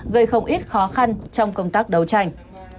gây không ít khó khăn trong công tác đấu tranh